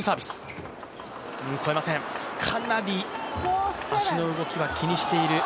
かなり足の動きは気にしている。